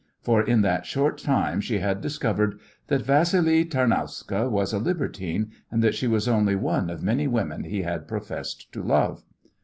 For in that short time she had discovered that Vassili Tarnowska was a libertine and that she was only one of many women he had professed to love.